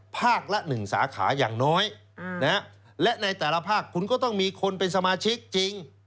ภาคละ๑สาขาอย่างน้อยและในแต่ละภาคคุณก็ต้องมีคนเป็นสมาชิกจริง